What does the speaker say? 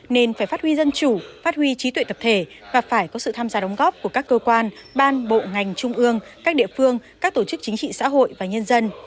nên phải phát huy dân chủ phát huy trí tuệ tập thể và phải có sự tham gia đóng góp của các cơ quan ban bộ ngành trung ương các địa phương các tổ chức chính trị xã hội và nhân dân